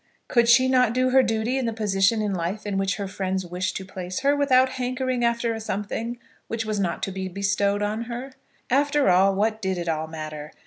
Could she not do her duty in the position in life in which her friends wished to place her, without hankering after a something which was not to be bestowed on her? After all, what did it all matter?